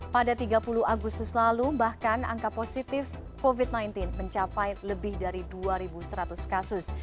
pada tiga puluh agustus lalu bahkan angka positif covid sembilan belas mencapai lebih dari dua seratus kasus